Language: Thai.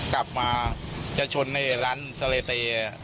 กลับมาจะชนในร้านทะเลเตย